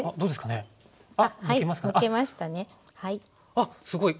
あっすごい！